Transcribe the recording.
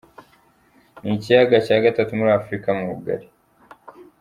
Ni ikiyaga cya gatatu muri Afurika mu bugari.